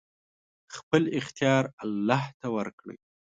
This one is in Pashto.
خپل اختيار الله ته ورکړئ!